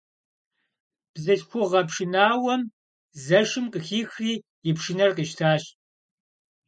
Бзылъхугъэ пшынауэм Зэшым къыхихри и пшынэр къищтащ.